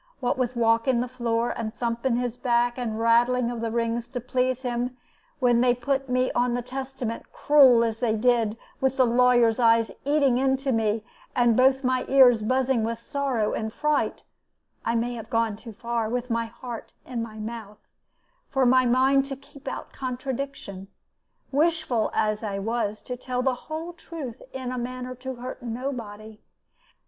What with walking the floor, and thumping his back, and rattling of the rings to please him when they put me on the Testament, cruel as they did, with the lawyers' eyes eating into me, and both my ears buzzing with sorrow and fright, I may have gone too far, with my heart in my mouth, for my mind to keep out of contradiction, wishful as I was to tell the whole truth in a manner to hurt nobody.